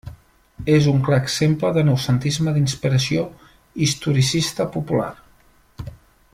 És un clar exemple de noucentisme d'inspiració historicista popular.